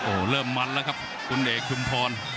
โอ้โหเริ่มมันแล้วครับคุณเอกชุมพร